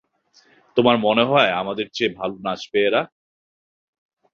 তোমার মনে হয় আমাদের চেয়ে ভালো নাচবে এরা?